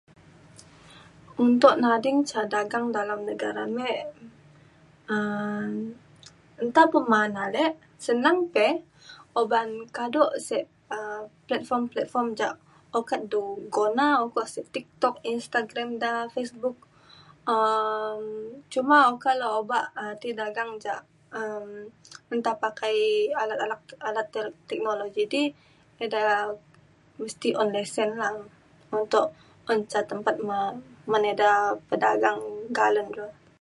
untuk nading ca dagang dalam negara me um nta pe maan ale senang pe uban kado sek um platform platform ja ukat du guna uko sek TikTok Instagram da Facebook um cuma okak le obak[um] ti dagang jak um nta pakai alat alat alat tek- teknologi di ida mesti un lesen la untuk un ca tempat me men ida bedagang kak len de